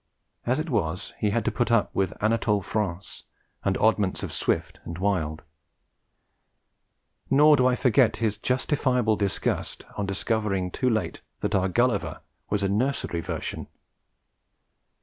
As it was he had to put up with Anatole France, and oddments of Swift and Wilde; nor do I forget his justifiable disgust on discovering too late that our Gulliver was a nursery version.